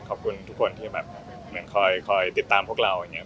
ขอบคุณทุกคนที่คอยติดตามพวกเรา